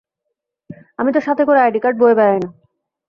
আমি তো সাথে করে আইডি কার্ড বয়ে বেড়াই না।